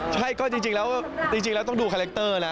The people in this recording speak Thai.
ใช่ก็จริงแล้วต้องดูคาแรคเตอร์นะ